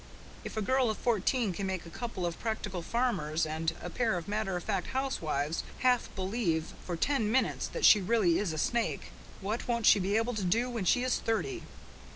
If a girl of fourteen can make a couple of practical farmers and a pair of matter of fact housewives half believe for ten minutes that she really is a snake, what won't she be able to do when she is thirty?